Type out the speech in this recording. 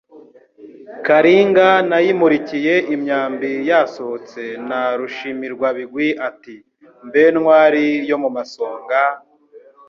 Kalinga nayimulikiye imyambi yasohotse, na Rushimirwabigwi ati: Mbe ntwali yo mu masonga,